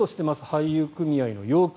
俳優組合の要求